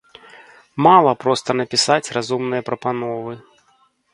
Мала проста напісаць разумныя прапановы.